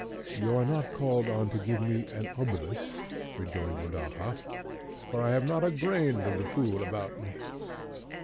"You are not called on to give me an obolus," rejoined Rodaja, "for I have not a grain of the fool about me!"